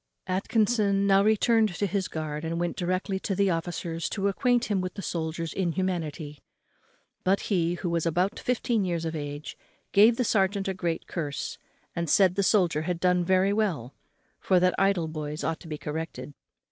Atkinson now returned to his guard and went directly to the officer to acquaint him with the soldier's inhumanity, but he, who was about fifteen years of age, gave the serjeant a great curse and said the soldier had done very well, for that idle boys ought to be corrected.